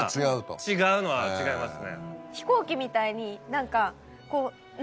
違うのは違いますね。